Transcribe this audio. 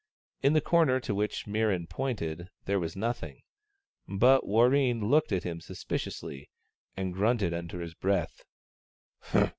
In the corner to which Mirran pointed there was nothing. But Warreen looked at him suspiciously, and grunted under his breath.